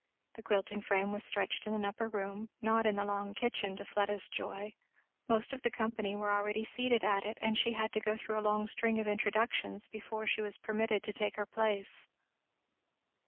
The quilting frame was stretched in an upper room, not in the long kitchen, to Fleda's joy; most of the company were already seated at it, and she had to go through a long string of introductions before she was permitted to take her place.